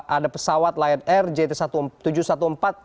ada pesawat lion air jt tujuh ratus empat belas